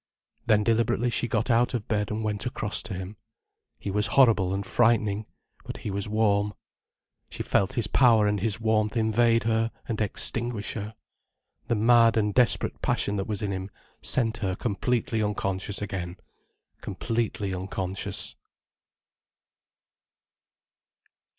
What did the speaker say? Then deliberately she got out of bed and went across to him. He was horrible and frightening, but he was warm. She felt his power and his warmth invade her and extinguish her. The mad and desperate passion that was in him sent her completely unconscious again, completely unconscious.